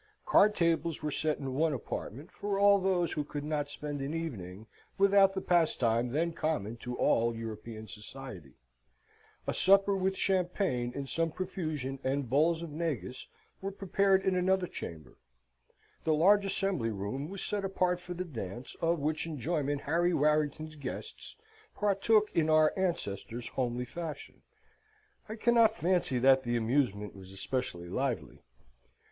Card tables were set in one apartment, for all those who could not spend an evening without the pastime then common to all European society: a supper with champagne in some profusion and bowls of negus was prepared in another chamber: the large assembly room was set apart for the dance, of which enjoyment Harry Warrington's guests partook in our ancestors' homely fashion. I cannot fancy that the amusement was especially lively.